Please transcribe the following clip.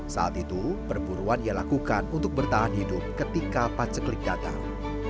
saat itu perburuan ia lakukan untuk bertahan hidup ketika paceklik datang